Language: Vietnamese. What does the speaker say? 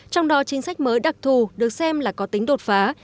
trong đó chính sách mới đặc thù được xem là có tính đột phá